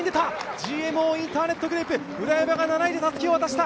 ＧＭＯインターネットグループ村山が７位でたすきを渡した。